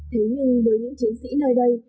thế nhưng với những chiến sĩ nơi đây